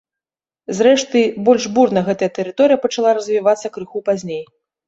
Зрэшты, больш бурна гэтая тэрыторыя пачала развівацца крыху пазней.